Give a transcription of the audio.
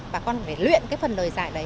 các con phải luyện cái phần lời giải đấy